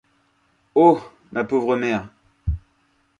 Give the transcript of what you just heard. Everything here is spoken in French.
Oh! ma pauvre mère...